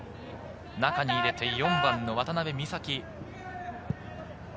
中に入れて４番の渡部美紗哉。